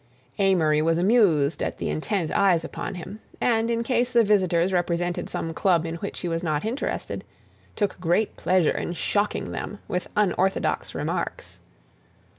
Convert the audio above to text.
Amory was amused at the intent eyes upon him, and, in case the visitors represented some club in which he was not interested, took great pleasure in shocking them with unorthodox remarks.